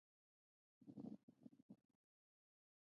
کائنات په ښځه ښکلي دي